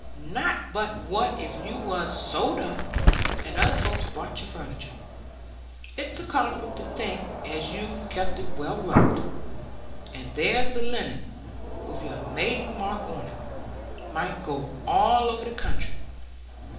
Not but what if you was sold up, and other folks bought your furniture, it's a comfort to think as you've kept it well rubbed. And there's the linen, with your maiden mark on, might go all over the country.